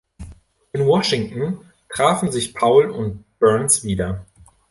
In Washington trafen sich Paul und Burns wieder.